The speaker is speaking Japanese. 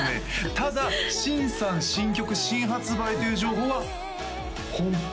ただ「新さん新曲新発売」という情報は本当？